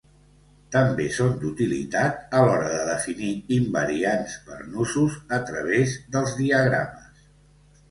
També són d'utilitat a l'hora de definir invariants per nusos a través dels diagrames.